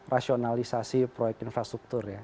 rasionalisasi proyek infrastruktur ya